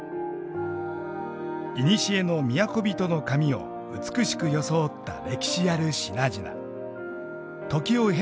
いにしえの都人の髪を美しく装った歴史ある品々。